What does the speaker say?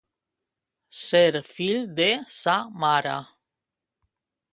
Ser fill de sa mare.